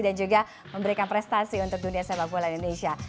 dan juga memberikan prestasi untuk dunia sepak bola indonesia